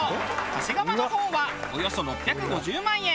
長谷川の方はおよそ６５０万円。